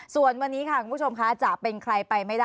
ส่วนวันนี้ค่ะคุณผู้ชมค่ะจะเป็นใครไปไม่ได้